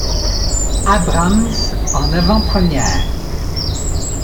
Abrams en avant-première.